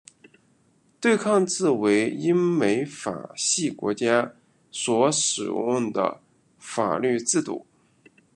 对抗制为英美法系国家所使用的法律制度。